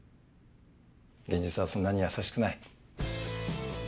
現実はそんなに優しくない。